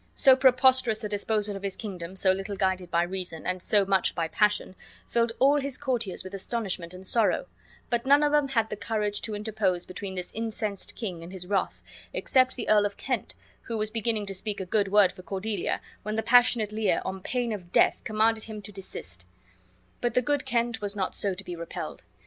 So preposterous a disposal of his kingdom, so little guided by reason, and so much by passion, filled all his courtiers with astonishment and sorrow; but none of them had the courage to interpose between this incensed king and his wrath, except the Earl of Kent, who was beginning to speak a good word for Cordelia, when the passionate Lear on pain of death commanded him to desist; but the good Kent was not so to be repelled.